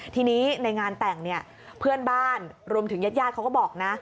ทีนี้ในงานแต่งเนี่ยเพื่อนบ้านรวมถึงญาติเขาก็บอกนะ